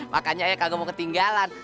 makanya kagak mau ketinggalan